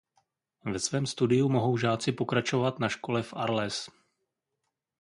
Ve svém studiu mohou žáci pokračovat na škole v Arles.